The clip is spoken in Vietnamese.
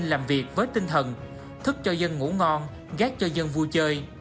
làm việc với tinh thần thức cho dân ngủ ngon gác cho dân vui chơi